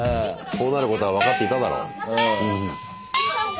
こうなることは分かっていただろ。